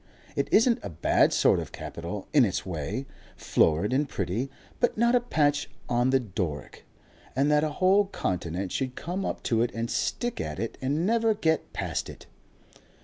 It isn't a bad sort of capital in its way, florid and pretty, but not a patch on the Doric; and that a whole continent should come up to it and stick at it and never get past it!..."